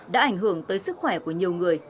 đã ảnh hưởng tới sức khỏe của nhiều người